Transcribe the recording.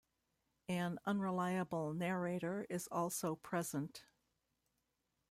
An unreliable narrator is also present.